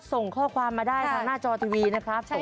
ส่งข้อความมาได้ครับหน้าจอทีวีนะครับใช่ค่ะ